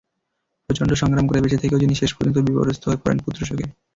প্রচণ্ড সংগ্রাম করে বেঁচে থেকেও যিনি শেষ পর্যন্ত বিপর্যস্ত হয়ে পড়েন পুত্রশোকে।